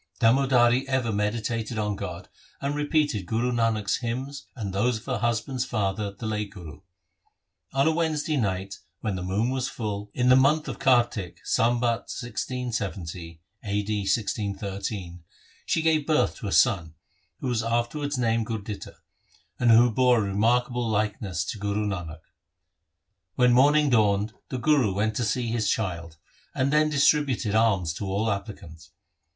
Damodari ever meditated on God and repeated Guru Nanak's hymns and those of her husband's father the late Guru. On a Wednesday night when the moon was full, in the month of Kartik, Sambat 1670 (a. d. 1613), she gave birth to a son, who was afterwards named Gurditta, and who bore a remarkable likeness to Guru Nanak. When morning dawned, the Guru went to see his child, and then distributed alms to all applicants.